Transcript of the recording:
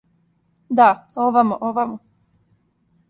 Да, овамо, овамо.